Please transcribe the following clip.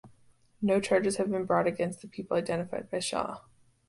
No charges have been brought against the people identified by Shaw.